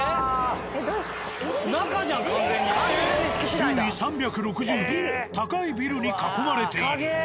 周囲３６０度高いビルに囲まれている。